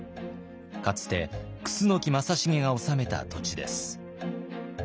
かつて楠木正成が治めた土地です。